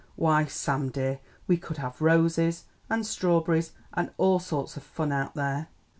"Why, Sam dear, we could have roses and strawberries and all sorts of fun out there!"